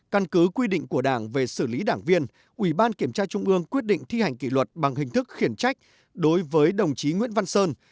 căn cứ quy định của đảng về xử lý đảng viên ủy ban kiểm tra trung ương quyết định thi hành kỷ luật bằng hình thức khiển trách đối với đồng chí nguyễn văn sơn